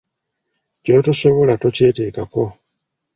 Ky'otosobola tokyeteekako.